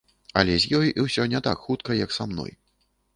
Але з ёй усё не так хутка, як са мной.